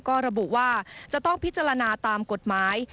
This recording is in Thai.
ก็ระบุว่าจะต้องพิจารณาตามกฎหมาย